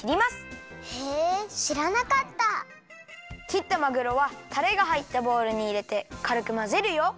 きったまぐろはたれがはいったボウルにいれてかるくまぜるよ。